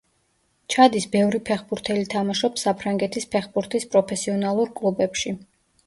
ჩადის ბევრი ფეხბურთელი თამაშობს საფრანგეთის ფეხბურთის პროფესიონალურ კლუბებში.